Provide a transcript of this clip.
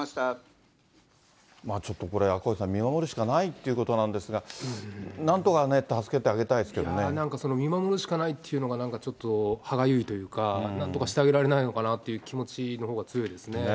ちょっとこれ、赤星さん、見守るしかないということなんですが、なんとかね、助けてあげたい見守るしかないっていうのが、なんかちょっと、歯がゆいというか、なんとかしてあげられないのかなという気持ちのほうが強いですね。